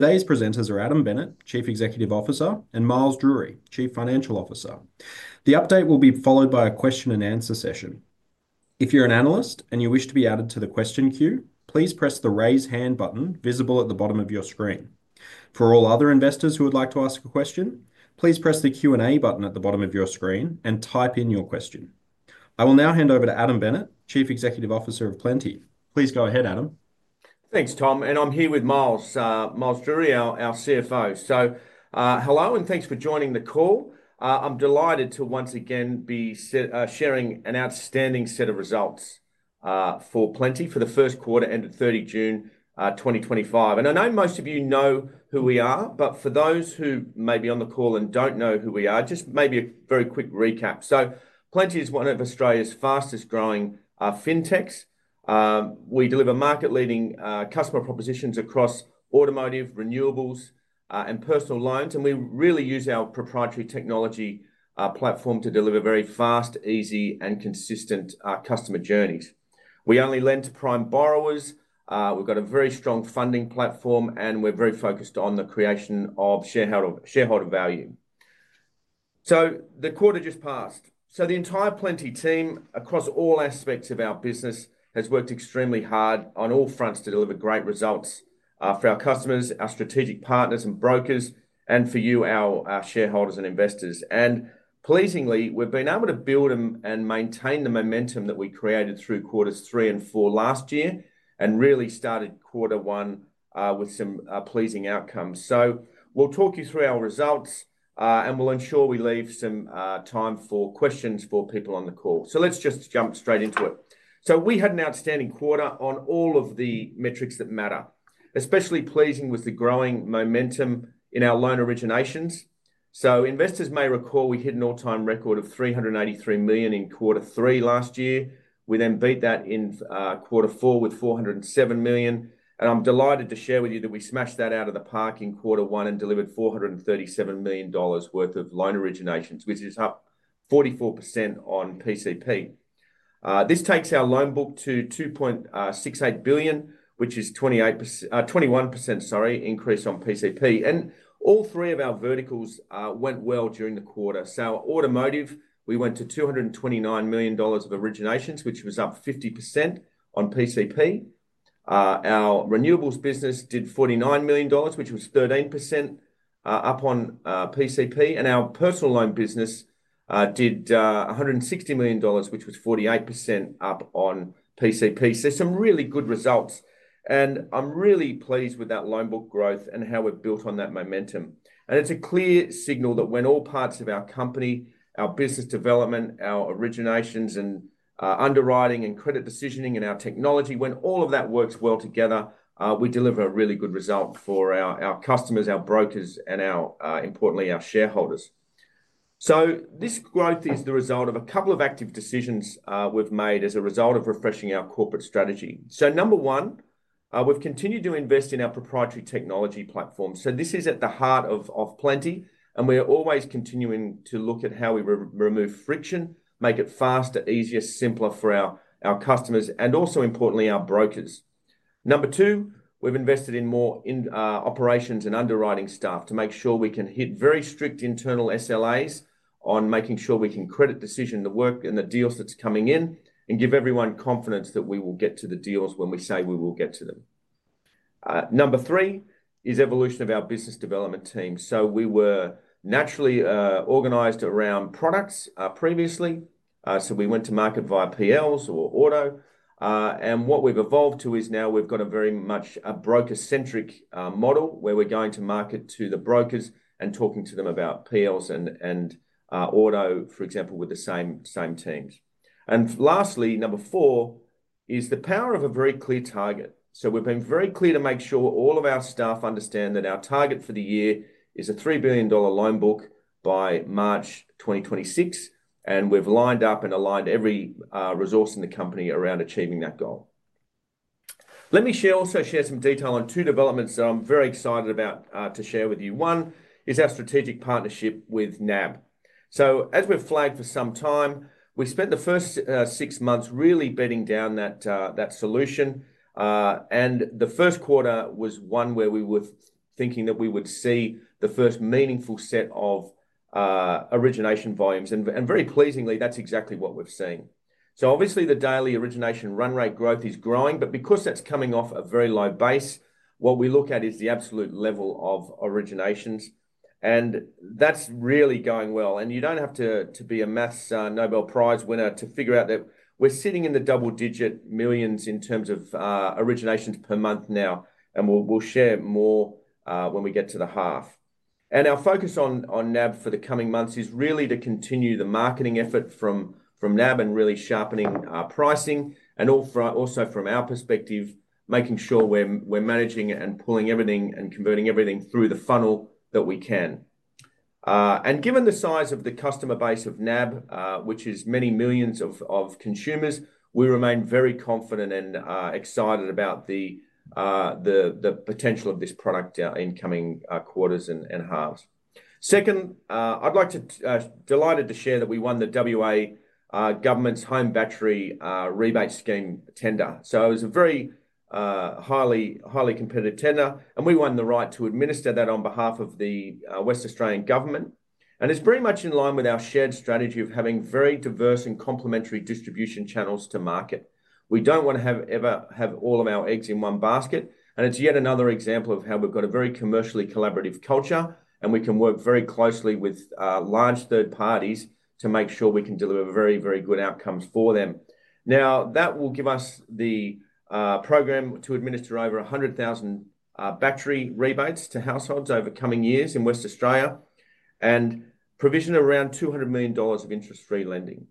Today's presenters are Adam Bennett, Chief Executive Officer, and Miles Drury, Chief Financial Officer. The update will be followed by a question and answer session. If you're an analyst and you wish to be added to the question queue, please press the Raise Hand button visible at the bottom of your screen. For all other investors who would like to ask a question, please press the Q&A button at the bottom of your screen and type in your question. I will now hand over to Adam Bennett, Chief Executive Officer of Plenti Group Limited. Please go ahead, Adam. Thanks, Tom. I'm here with Miles, Miles Drury, our CFO. Hello and thanks for joining the call. I'm delighted to once again be sharing an outstanding set of results for Plenti for the first quarter ended 30 June 2025. I know most of you know who we are, but for those who may be on the call and don't know who we are, just maybe a very quick recap. Plenti is one of Australia's fastest growing fintechs. We deliver market-leading customer propositions across automotive, renewables, and personal loans. We really use our proprietary technology platform to deliver very fast, easy, and consistent customer journeys. We only lend to prime borrowers. We've got a very strong funding platform, and we're very focused on the creation of shareholder value. The quarter just passed. The entire Plenti team, across all aspects of our business, has worked extremely hard on all fronts to deliver great results for our customers, our strategic partners, and brokers, and for you, our shareholders and investors. Pleasingly, we've been able to build and maintain the momentum that we created through quarters three and four last year and really started quarter one with some pleasing outcomes. We'll talk you through our results, and we'll ensure we leave some time for questions for people on the call. Let's just jump straight into it. We had an outstanding quarter on all of the metrics that matter, especially pleasing with the growing momentum in our loan originations. Investors may recall we hit an all-time record of $383 million in quarter three last year. We then beat that in quarter four with $407 million. I'm delighted to share with you that we smashed that out of the park in quarter one and delivered $437 million worth of loan originations, which is up 44% on PCP. This takes our loan book to $2.68 billion, which is a 21% increase on PCP. All three of our verticals went well during the quarter. Automotive, we went to $229 million of originations, which was up 50% on PCP. Our renewables business did $49 million, which was 13% up on PCP. Our personal loan business did $160 million, which was 48% up on PCP. Some really good results. I'm really pleased with that loan book growth and how we've built on that momentum. It's a clear signal that when all parts of our company—our business development, our originations, underwriting and credit decisioning, and our technology—when all of that works well together, we deliver a really good result for our customers, our brokers, and, importantly, our shareholders. This growth is the result of a couple of active decisions we've made as a result of refreshing our corporate strategy. Number one, we've continued to invest in our proprietary technology platform. This is at the heart of Plenti, and we're always continuing to look at how we remove friction, make it faster, easier, simpler for our customers, and also, importantly, our brokers. Number two, we've invested in more operations and underwriting staff to make sure we can hit very strict internal SLAs on making sure we can credit decision the work and the deals that are coming in and give everyone confidence that we will get to the deals when we say we will get to them. Number three is the evolution of our business development team. We were naturally organized around products previously. We went to market via PLs or auto. What we've evolved to is now we've got a very much a broker-centric model where we're going to market to the brokers and talking to them about PLs and auto, for example, with the same teams. Lastly, number four is the power of a very clear target. We've been very clear to make sure all of our staff understand that our target for the year is a $3 billion loan book by March 2026. We've lined up and aligned every resource in the company around achieving that goal. Let me also share some detail on two developments that I'm very excited about to share with you. One is our strategic partnership with National Australia Bank (NAB). As we've flagged for some time, we spent the first six months really bedding down that solution. The first quarter was one where we were thinking that we would see the first meaningful set of origination volumes. Very pleasingly, that's exactly what we've seen. Obviously, the daily origination run rate growth is growing, but because that's coming off a very low base, what we look at is the absolute level of originations. That's really going well. You don't have to be a maths Nobel Prize winner to figure out that we're sitting in the double digit millions in terms of originations per month now. We'll share more when we get to the half. Our focus on NAB for the coming months is really to continue the marketing effort from NAB and really sharpen our pricing. Also, from our perspective, making sure we're managing and pulling everything and converting everything through the funnel that we can. Given the size of the customer base of NAB, which is many millions of consumers, we remain very confident and excited about the potential of this product in the coming quarters and halves. I am delighted to share that we won the Western Australian Government's Home Battery Rebate Scheme tender. It was a very highly competitive tender, and we won the right to administer that on behalf of the Western Australian Government. It is very much in line with our shared strategy of having very diverse and complementary distribution channels to market. We do not want to ever have all of our eggs in one basket. It is yet another example of how we have a very commercially collaborative culture, and we can work very closely with large third parties to make sure we can deliver very, very good outcomes for them. That will give us the program to administer over 100,000 battery rebates to households over the coming years in Western Australia and provision around $200 million of interest-free lending.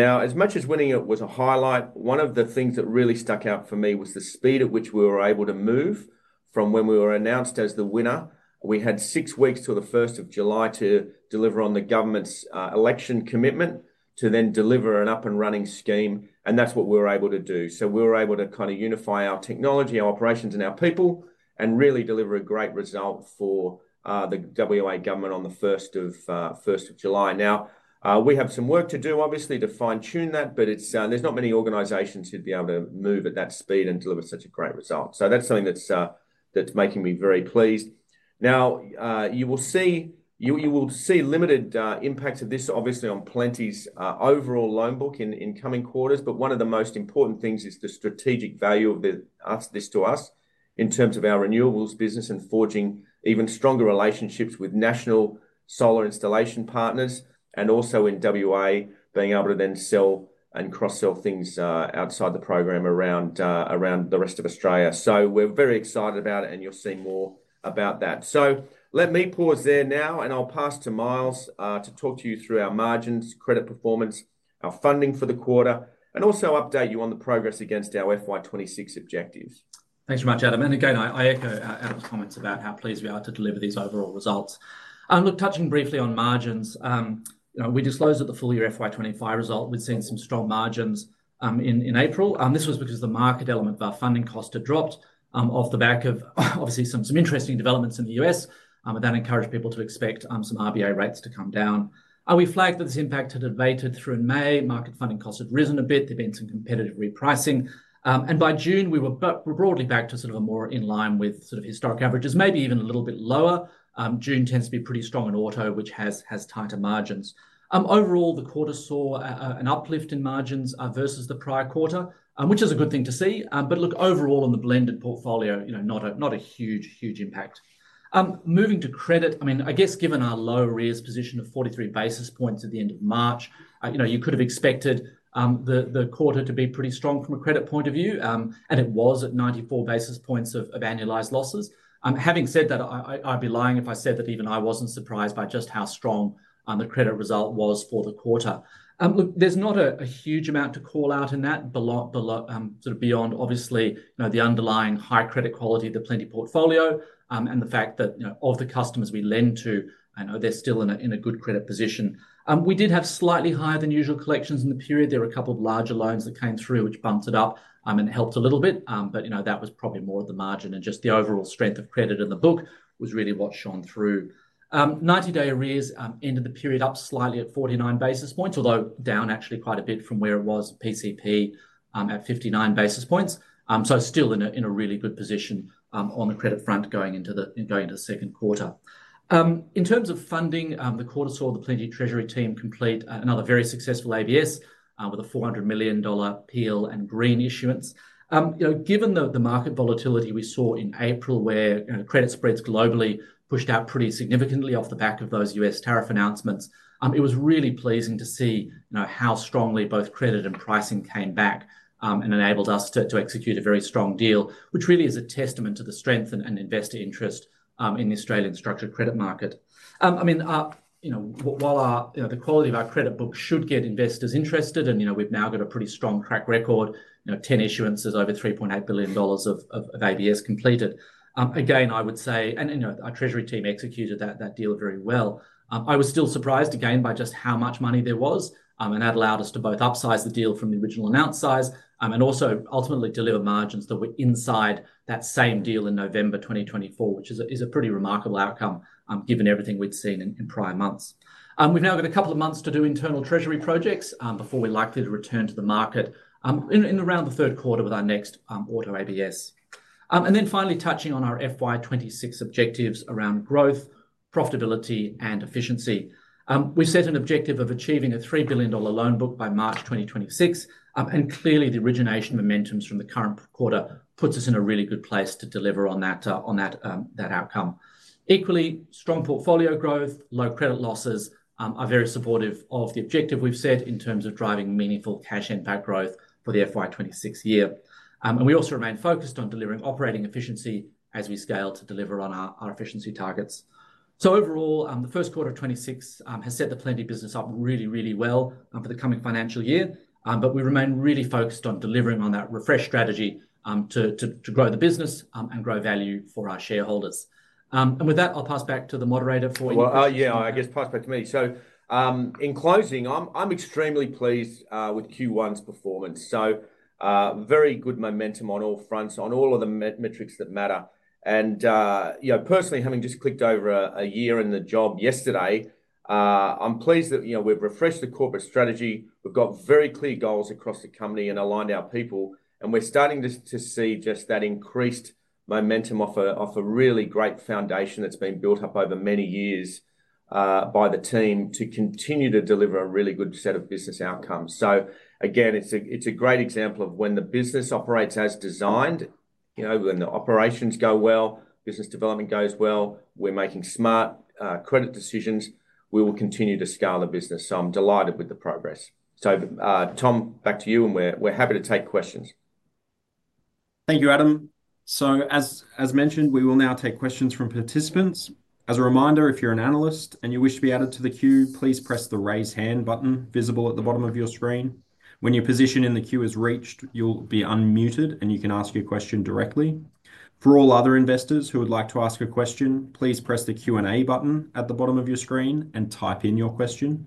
As much as winning it was a highlight, one of the things that really stuck out for me was the speed at which we were able to move from when we were announced as the winner. We had six weeks until first of July to deliver on the government's election commitment to then deliver an up-and-running scheme, and that is what we were able to do. We were able to unify our technology, our operations, and our people and really deliver a great result for the Western Australian Government on first of July. We have some work to do, obviously, to fine-tune that, but there are not many organizations who would be able to move at that speed and deliver such a great result. That is something that is making me very pleased. You will see limited impacts of this, obviously, on Plenti's overall loan book in the coming quarters. One of the most important things is the strategic value of this to us in terms of our renewables business and forging even stronger relationships with national solar installation partners and also in Western Australia being able to then sell and cross-sell things outside the program around the rest of Australia. We are very excited about it, and you will see more about that. Let me pause there now, and I'll pass to Miles to talk you through our margins, credit performance, our funding for the quarter, and also update you on the progress against our FY26 objectives. Thanks very much, Adam. I echo Adam's comments about how pleased we are to deliver these overall results. Touching briefly on margins, we disclosed that the full-year FY25 result, we've seen some strong margins in April. This was because the market element of our funding costs had dropped off the back of, obviously, some interesting developments in the U.S. that encouraged people to expect some RBA rates to come down. We flagged that this impact had abated through May. Market funding costs had risen a bit. There'd been some competitive repricing. By June, we were broadly back to sort of a more in line with historic averages, maybe even a little bit lower. June tends to be pretty strong in auto, which has tighter margins. Overall, the quarter saw an uplift in margins versus the prior quarter, which is a good thing to see. Overall, in the blended portfolio, not a huge, huge impact. Moving to credit, I guess given our low REERs position of 43 basis points at the end of March, you could have expected the quarter to be pretty strong from a credit point of view. It was at 94 basis points of annualized losses. Having said that, I'd be lying if I said that even I wasn't surprised by just how strong the credit result was for the quarter. There's not a huge amount to call out in that beyond, obviously, the underlying high credit quality of the Plenti portfolio and the fact that of the customers we lend to, I know they're still in a good credit position. We did have slightly higher than usual collections in the period. There were a couple of larger loans that came through, which bumped it up and helped a little bit. That was probably more of the margin and just the overall strength of credit in the book was really what shone through. 90-day REERs ended the period up slightly at 49 basis points, although down actually quite a bit from where it was at PCP at 59 basis points. Still in a really good position on the credit front going into the second quarter. In terms of funding, the quarter saw the Plenti Treasury team complete another very successful ABS with a $400 million PL and green issuance. Given the market volatility we saw in April where credit spreads globally pushed out pretty significantly off the back of those US tariff announcements, it was really pleasing to see how strongly both credit and pricing came back and enabled us to execute a very strong deal, which really is a testament to the strength and investor interest in the Australian structured credit market. I mean, while the quality of our credit book should get investors interested, and we've now got a pretty strong track record, 10 issuances over $3.8 billion of ABS completed. Again, I would say, and our Treasury team executed that deal very well. I was still surprised again by just how much money there was. That allowed us to both upsize the deal from the original announced size and also ultimately deliver margins that were inside that same deal in November 2024, which is a pretty remarkable outcome given everything we'd seen in prior months. We've now got a couple of months to do internal Treasury projects before we're likely to return to the market in around the third quarter with our next auto ABS. Finally, touching on our FY26 objectives around growth, profitability, and efficiency, we set an objective of achieving a $3 billion loan book by March 2026. Clearly, the origination momentum from the current quarter puts us in a really good place to deliver on that outcome. Equally, strong portfolio growth, low credit losses are very supportive of the objective we've set in terms of driving meaningful cash impact growth for the FY26 year. We also remain focused on delivering operating efficiency as we scale to deliver on our efficiency targets. Overall, the first quarter of 2026 has set the Plenti business up really, really well for the coming financial year. We remain really focused on delivering on that refresh strategy to grow the business and grow value for our shareholders. With that, I'll pass back to the moderator for you. In closing, I'm extremely pleased with Q1's performance. Very good momentum on all fronts, on all of the metrics that matter. Personally, having just clicked over a year in the job yesterday, I'm pleased that we've refreshed the corporate strategy. We've got very clear goals across the company and aligned our people. We're starting to see just that increased momentum off a really great foundation that's been built up over many years by the team to continue to deliver a really good set of business outcomes. It's a great example of when the business operates as designed, you know, when the operations go well, business development goes well, we're making smart credit decisions, we will continue to scale the business. I'm delighted with the progress. Tom, back to you, and we're happy to take questions. Thank you, Adam. As mentioned, we will now take questions from participants. As a reminder, if you're an analyst and you wish to be added to the queue, please press the Raise Hand button visible at the bottom of your screen. When your position in the queue is reached, you'll be unmuted and you can ask your question directly. For all other investors who would like to ask a question, please press the Q&A button at the bottom of your screen and type in your question.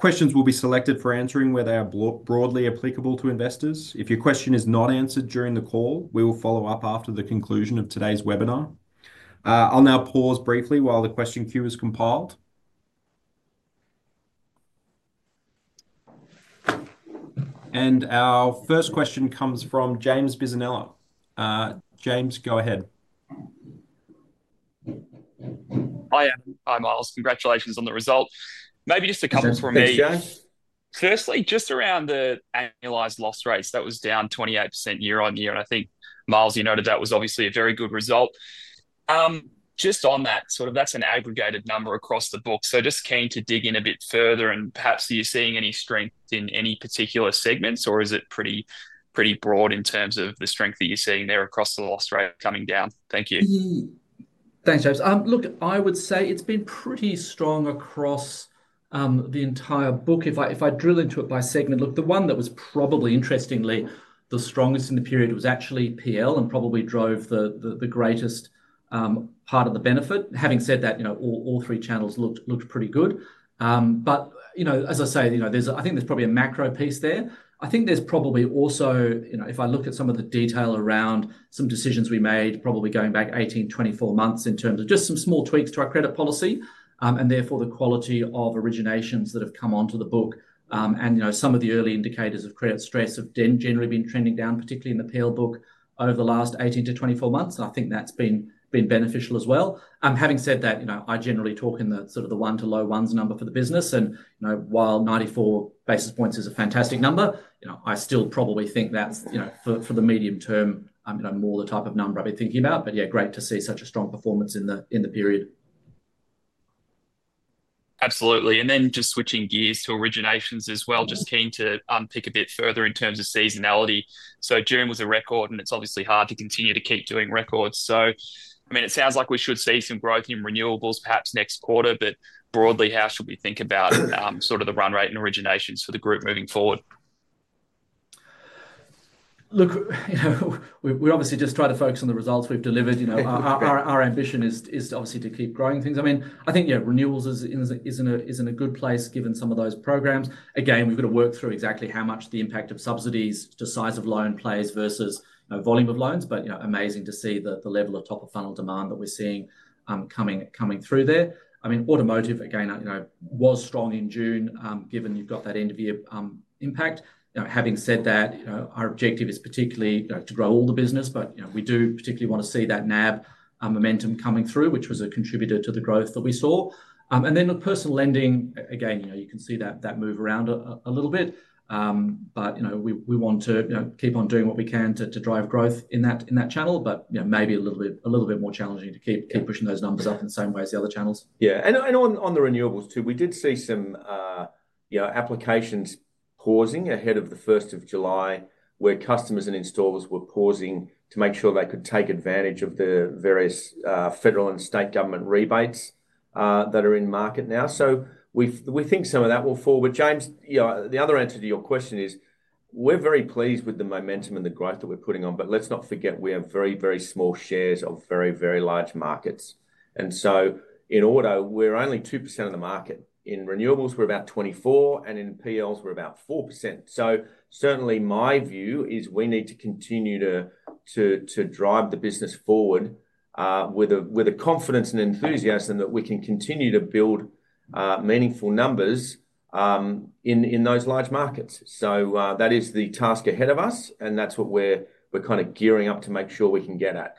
Questions will be selected for answering where they are broadly applicable to investors. If your question is not answered during the call, we will follow up after the conclusion of today's webinar. I'll now pause briefly while the question queue is compiled. Our first question comes from James Bizanella. James, go ahead. Hi, Adam. Hi, Miles. Congratulations on the result. Maybe just a couple for me. Firstly, just around the annualized loss rates, that was down 28% year-on-year. I think, Miles, you noted that was obviously a very good result. Just on that, that's an aggregated number across the book. I'm just keen to dig in a bit further and perhaps are you seeing any strength in any particular segments or is it pretty broad in terms of the strength that you're seeing there across the loss rate coming down? Thank you. Thanks, James. Look, I would say it's been pretty strong across the entire book. If I drill into it by segment, the one that was probably interestingly the strongest in the period was actually PL and probably drove the greatest part of the benefit. Having said that, all three channels looked pretty good. As I say, I think there's probably a macro piece there. I think there's probably also, if I look at some of the detail around some decisions we made, probably going back 18, 24 months in terms of just some small tweaks to our credit policy and therefore the quality of originations that have come onto the book. Some of the early indicators of credit stress have generally been trending down, particularly in the PL book over the last 18-24 months. I think that's been beneficial as well. Having said that, I generally talk in the sort of the one to low ones number for the business. While 94 basis points is a fantastic number, I still probably think that's, for the medium term, more the type of number I'd be thinking about. Great to see such a strong performance in the period. Absolutely. Just switching gears to originations as well, just keen to pick a bit further in terms of seasonality. June was a record and it's obviously hard to continue to keep doing records. It sounds like we should see some growth in renewables perhaps next quarter. Broadly, how should we think about sort of the run rate and originations for the group moving forward? Look, we obviously just try to focus on the results we've delivered. Our ambition is obviously to keep growing things. I think renewables is in a good place given some of those programs. We've got to work through exactly how much the impact of subsidies, the size of loan plays versus volume of loans. Amazing to see the level of top-of-funnel demand that we're seeing coming through there. Automotive, again, was strong in June given you've got that end-of-year impact. Having said that, our objective is particularly to grow all the business. We do particularly want to see that NAB momentum coming through, which was a contributor to the growth that we saw. The personal lending, again, you can see that move around a little bit. We want to keep on doing what we can to drive growth in that channel. Maybe a little bit more challenging to keep pushing those numbers up in the same way as the other channels. Yeah, and on the renewables too, we did see some applications pausing ahead of the fi of July where customers and installers were pausing to make sure they could take advantage of the various federal and state government rebates that are in market now. We think some of that will fall. James, the other answer to your question is we're very pleased with the momentum and the growth that we're putting on. Let's not forget we have very, very small shares of very, very large markets. In auto, we're only 2% of the market. In renewables, we're about 24%. In PLs, we're about 4%. Certainly, my view is we need to continue to drive the business forward with a confidence and enthusiasm that we can continue to build meaningful numbers in those large markets. That is the task ahead of us. That's what we're kind of gearing up to make sure we can get at.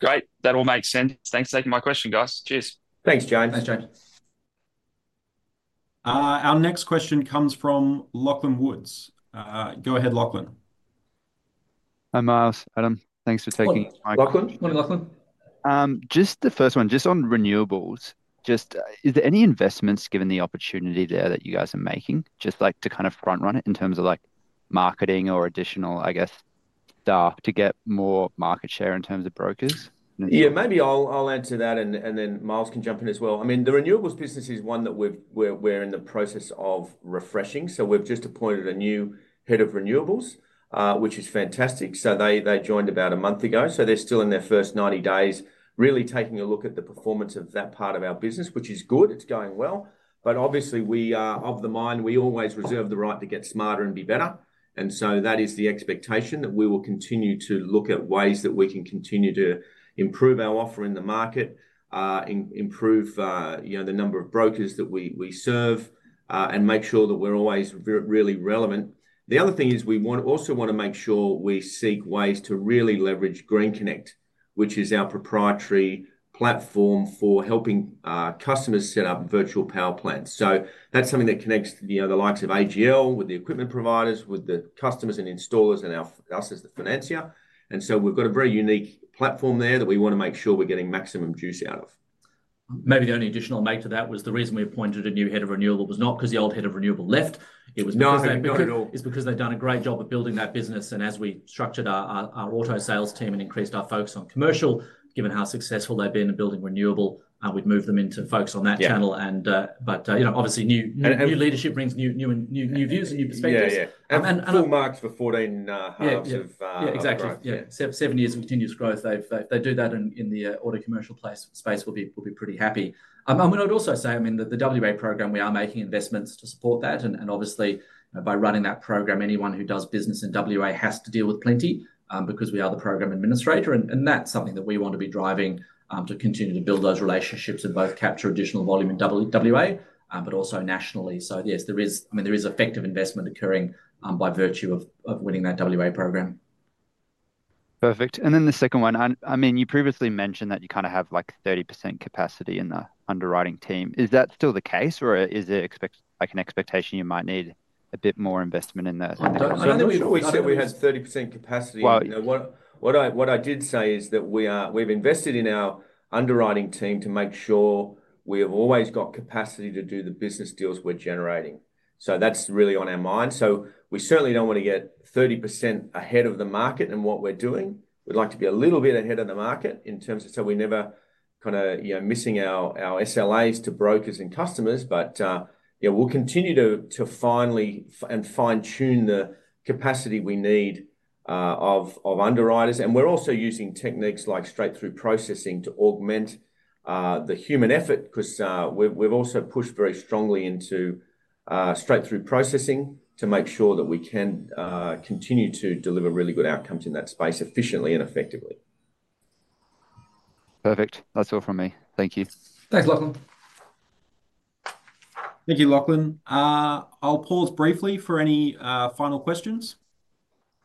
Great. That all makes sense. Thanks for taking my question, guys. Cheers. Thanks, James. Thanks, James. Our next question comes from Lachlan Woods. Go ahead, Lachlan. Hi, Miles. Adam, thanks for taking my call. Go ahead, Lachlan. Just the first one, just on renewables. Is there any investments given the opportunity there that you guys are making? I'd like to kind of front-run it in terms of marketing or additional, I guess, staff to get more market share in terms of brokers? Yeah, maybe I'll answer that and then Miles can jump in as well. I mean, the renewables business is one that we're in the process of refreshing. We've just appointed a new Head of Renewables, which is fantastic. They joined about a month ago, so they're still in their first 90 days, really taking a look at the performance of that part of our business, which is good. It's going well. Obviously, we are of the mind, we always reserve the right to get smarter and be better. That is the expectation that we will continue to look at ways that we can continue to improve our offer in the market, improve the number of brokers that we serve, and make sure that we're always really relevant. The other thing is we also want to make sure we seek ways to really leverage GreenConnect, which is our proprietary technology platform for helping customers set up virtual power plants. That's something that connects the likes of AGL with the equipment providers, with the customers and installers, and us as the financier. We've got a very unique platform there that we want to make sure we're getting maximum juice out of. Maybe the only additional make to that was the reason we appointed a new Head of Renewables was not because the old Head of Renewables left. It was because they've done a great job of building that business. As we structured our auto sales team and increased our focus on commercial, given how successful they've been in building renewables, we've moved them into focus on that channel. Obviously, new leadership brings new views and new perspectives. Yeah, full marks for 14 halves of. Yeah, exactly. Yeah, seven years of continuous growth. If they do that in the auto commercial space, we'll be pretty happy. I'd also say, the WA program, we are making investments to support that. Obviously, by running that program, anyone who does business in WA has to deal with Plenti because we are the program administrator. That's something that we want to be driving to continue to build those relationships and both capture additional volume in WA, but also nationally. Yes, there is effective investment occurring by virtue of winning that WA program. Perfect. The second one, you previously mentioned that you kind of have like 30% capacity in the underwriting team. Is that still the case or is it like an expectation you might need a bit more investment in that? I don't think we thought we had 30% capacity. What I did say is that we've invested in our underwriting team to make sure we have always got capacity to do the business deals we're generating. That's really on our mind. We certainly don't want to get 30% ahead of the market in what we're doing. We'd like to be a little bit ahead of the market in terms of so we never kind of miss our SLAs to brokers and customers. We'll continue to finely and fine-tune the capacity we need of underwriters. We're also using techniques like straight-through processing to augment the human effort because we've also pushed very strongly into straight-through processing to make sure that we can continue to deliver really good outcomes in that space efficiently and effectively. Perfect. That's all from me. Thank you. Thanks, Lachlan. Thank you, Lachlan. I'll pause briefly for any final questions.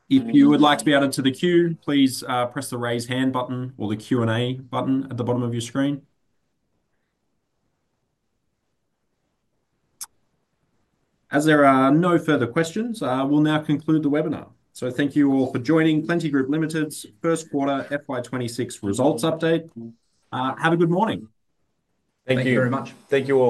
If you would like to be added to the queue, please press the Raise Hand button or the Q&A button at the bottom of your screen. As there are no further questions, we'll now conclude the webinar. Thank you all for joining Plenti Group Limited's first quarter FY26 results update. Have a good morning. Thank you. Thank you very much. Thank you all.